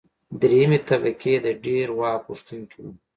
درېیمې طبقې د ډېر واک غوښتونکي وو.